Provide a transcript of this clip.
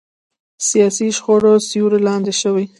سیاسي شخړو سیوري لاندې شوي.